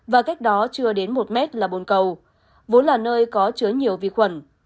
và cách đó chưa đến một mét là bồn cầu vốn là nơi có chứa nhiều vi khuẩn